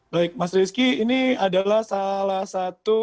baik mas rizky ini adalah salah satu